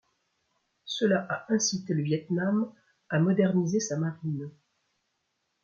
Cela a incité le Viêt Nam à moderniser sa marine.